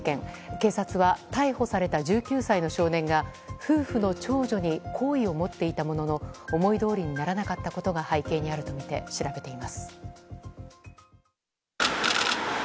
警察は逮捕された１９歳の少年が夫婦の長女に好意を持っていたものの思いどおりにならなかったことが背景にあるとみて調べています。